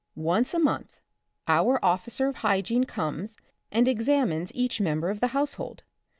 Once a month our Officer of Hygiene comes and examines each member of the household.